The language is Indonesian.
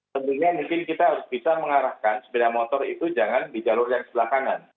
tentunya mungkin kita harus bisa mengarahkan sepeda motor itu jangan di jalur yang sebelah kanan